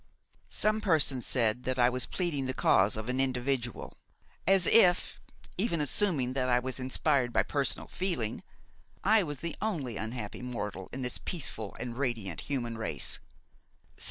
Some persons said that I was pleading the cause of an individual; as if, even assuming that I was inspired by personal feeling, I was the only unhappy mortal in this peaceful and radiant human race!